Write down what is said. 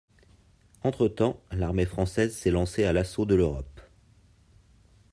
Entretemps, l'armée française s'est lancée à l'assaut de l'Europe.